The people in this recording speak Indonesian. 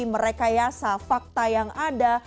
merekayasa fakta yang ada